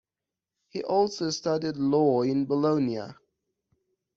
He also studied law in Bologna.